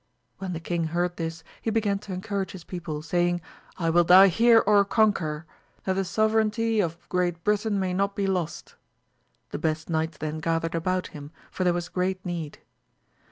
When the king heard this he began to encourage his people, saying, I will die here or con quer, that the sovereignty of Great Britain may not be lost ; the best knights then gathered about him, for there was great need.